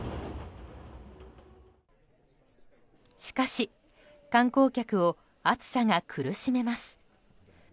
しかし、観光客を暑さが苦しめます。